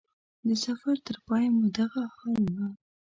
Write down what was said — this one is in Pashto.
د سفر تر پای مو دغه حال و.